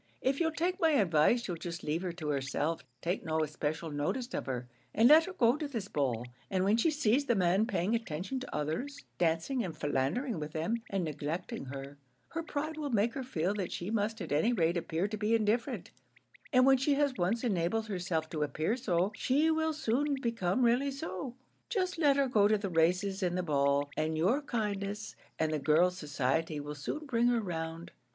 If you'll take my advice, you'll just leave her to herself, take no especial notice of her, and let her go to this ball; and when she sees the man paying attention to others, dancing and philandering with them, and neglecting her her pride will make her feel that she must at any rate appear to be indifferent; and when she has once enabled herself to appear so, she will soon become really so. Just let her go to the races, and the ball; and your kindness and the girls' society will soon bring her round."